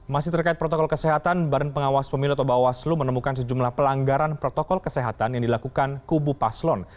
masih terkait protokol kesehatan badan pengawas pemilu atau bawaslu menemukan sejumlah pelanggaran protokol kesehatan yang dilakukan kubu paslon